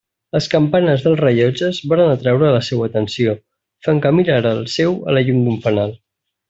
Les campanes dels rellotges varen atraure la seua atenció, fent que mirara el seu a la llum d'un fanal.